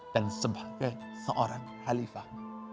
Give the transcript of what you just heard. dan sebagai seorang halifah